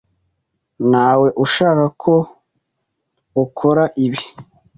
Ntawe ushaka ko ukora ibi.